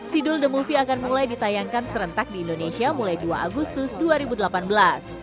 sidul the movie akan mulai ditayangkan serentak di indonesia mulai dua agustus dua ribu delapan belas